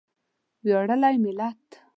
ویاړلی ملت.